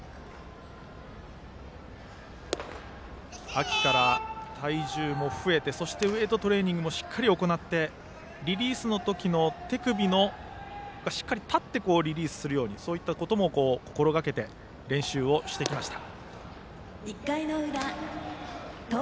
秋から体重も増えてそしてウエイトトレーニングもしっかり行ってリリースの時の手首もしっかり立ってリリースするようにそういったことも心がけて練習をしてきました。